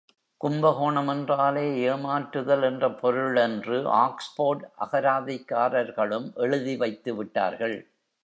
கும்பகோணம் என்றாலே ஏமாற்றுதல் என்ற பொருள் என்று ஆக்ஸ்போர்ட் அகராதிக்காரர்களும் எழுதிவைத்து விட்டார்கள்.